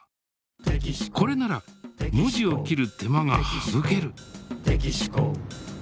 これなら文字を切る手間がはぶける。